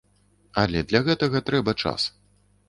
Але для гэтага трэба час.